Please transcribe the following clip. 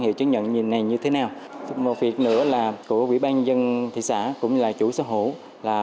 hiệu chứng nhận này như thế nào một việc nữa là của quỹ ban nhân dân thị xã cũng như là chủ sở hữu là